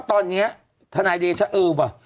ตอนนี้ทนายเดชาเออว่ะ